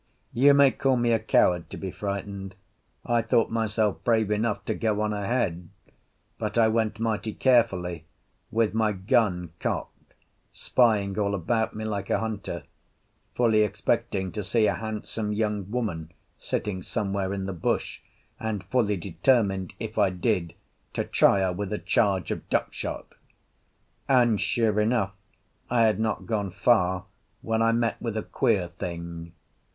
You may call me a coward to be frightened; I thought myself brave enough to go on ahead. But I went mighty carefully, with my gun cocked, spying all about me like a hunter, fully expecting to see a handsome young woman sitting somewhere in the bush, and fully determined (if I did) to try her with a charge of duck shot. And sure enough, I had not gone far when I met with a queer thing.